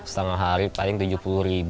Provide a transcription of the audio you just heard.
setengah hari paling rp tujuh puluh